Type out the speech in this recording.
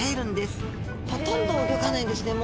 スタジオほとんど動かないんですね